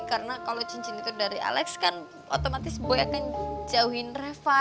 karena kalau cincin itu dari alex kan otomatis boy akan jauhin reva